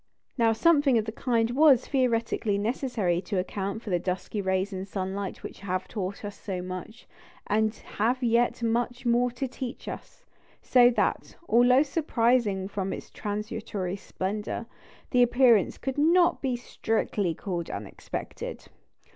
Now something of the kind was theoretically necessary to account for the dusky rays in sunlight which have taught us so much, and have yet much more to teach us; so that, although surprising from its transitory splendour, the appearance could not strictly be called "unexpected."